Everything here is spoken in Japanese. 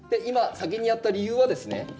今先にやった理由はですね